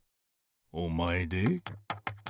おまえで？